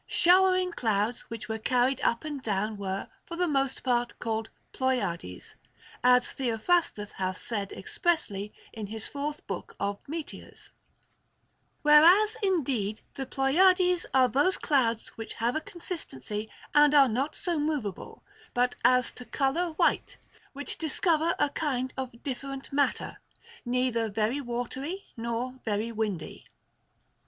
Showering clouds which were carried up and down were, for the most part, called Ploiades, as Theo THE GREEK QUESTIONS. 267 phrastus hath said expressly in his fourth book of Meteors :" Whereas indeed the Ploiades are those clouds which have a consistency and are not so movable, but as to color white, which discover a kind of different matter, neither very watery nor very windy."